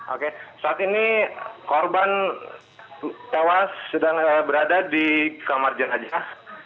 oke saat ini korban tewas sedang berada di kamar jenazah